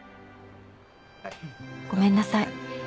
ごめんなさい。